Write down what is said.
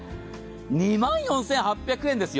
２万４８００円ですよ！